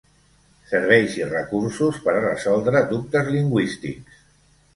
Serveis i recursos per a resoldre dubtes lingüístics.